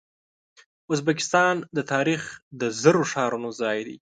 ازبکستان د تاریخ د زرو ښارونو ځای دی.